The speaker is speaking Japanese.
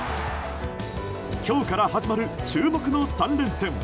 今日から始まる注目の３連戦。